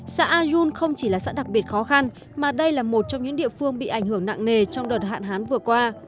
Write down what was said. xã ayun không chỉ là xã đặc biệt khó khăn mà đây là một trong những địa phương bị ảnh hưởng nặng nề trong đợt hạn hán vừa qua